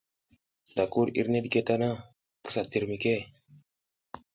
Da ki wuɗ irne ɗike tana, kisa tir mike.